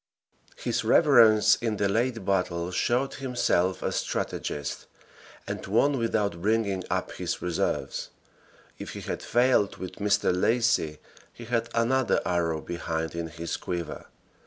His reverence in the late battle showed himself a strategist, and won without bringing up his reserves; if he had failed with Mr. Lacy he had another arrow behind in his quiver.